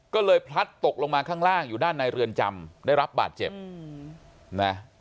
ก็เลยพลัดตกลงมาข้างล่างอยู่ด้านในเรือนจำได้รับบาดเจ็บนะ